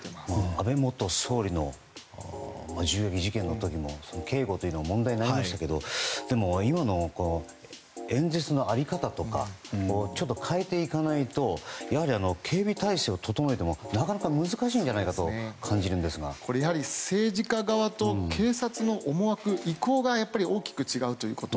安倍元総理の銃撃事件の時も警護が問題にありましたけど今の演説の在り方とかちょっと変えていかないと警備態勢を整えてもなかなか難しいと政治家側と警察の思惑意向が大きく違うということ。